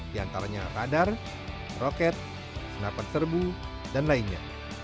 di antaranya radar roket senapan serbu dan lainnya